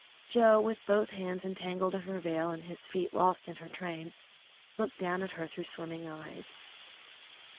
Joe, with both hands entangled in her veil and his feet lost in her train, looked down at her through swimming eyes.